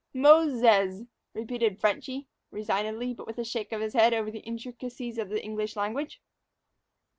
"Mozez," repeated "Frenchy," resignedly, but with a shake of his head over the intricacies of the English language.